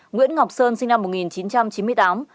nguyễn ngọc sơn sinh năm một nghìn chín trăm chín mươi tám